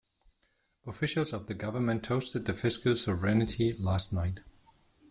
Officials of the government toasted the fiscal sovereignty last night.